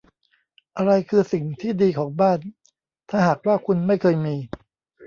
อะไรคือสิ่งที่ดีของบ้าน ถ้าหากว่าคุณไม่เคยมี